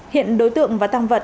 hiện đối tượng và tăng vật